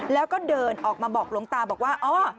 แล้วก็เดินออกมาบอกหลวงตาบอกว่าอ๋อ